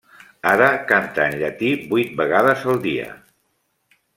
Ara canta en llatí vuit vegades al dia.